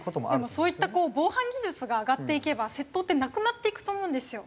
でもそういった防犯技術が上がっていけば窃盗ってなくなっていくと思うんですよ。